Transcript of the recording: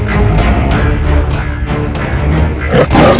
kandunganmu tak akan nyambut